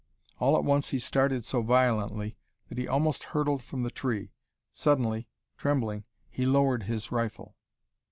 All at once he started so violently that he almost hurtled from the tree. Suddenly, trembling, he lowered his rifle.